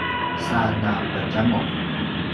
sa napedjamuq